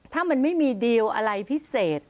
ถ้ามันไม่มีดีลอะไรพิเศษ